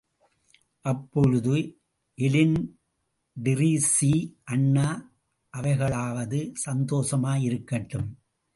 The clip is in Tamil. அப்பொழுது எலின்டிரிஸி, அண்ணா அவைகளாவது சந்தோஷமாயிருக்கட்டும்.